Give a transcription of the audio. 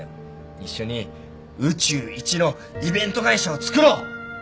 一緒に宇宙一のイベント会社をつくろう！